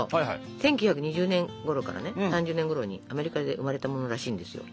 １９２０年ごろからね３０年ごろにアメリカで生まれたものらしいんですよ。